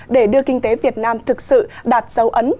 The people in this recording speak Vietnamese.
để đưa kinh tế việt nam thực sự đạt dấu ấn